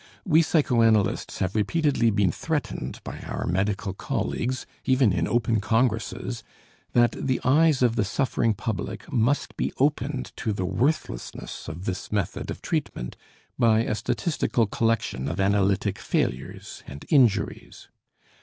We psychoanalysts have repeatedly been threatened by our medical colleagues, even in open congresses, that the eyes of the suffering public must be opened to the worthlessness of this method of treatment by a statistical collection of analytic failures and injuries.